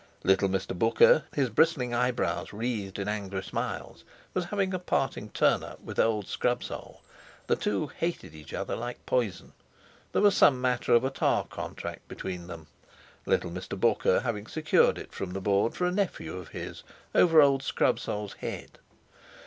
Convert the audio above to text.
Little Mr. Booker, his bristling eyebrows wreathed in angry smiles, was having a parting turn up with old Scrubsole. The two hated each other like poison. There was some matter of a tar contract between them, little Mr. Booker having secured it from the Board for a nephew of his, over old Scrubsole's head.